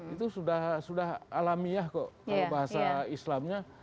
itu sudah alamiah kok kalau bahasa islamnya